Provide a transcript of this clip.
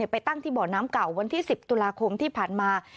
ไปตั้งที่บ่อน้ำเก่าวันที่๑๐ตุลาคมที่ผ่านมา